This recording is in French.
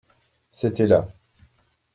C'était là.